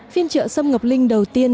phiên trợ xâm ngọc linh đầu tiên